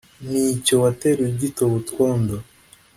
Ni cyo wateruye ugitoba utwondo